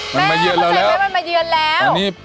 แม่เข้าใจไหมมันมาเยือนแล้ว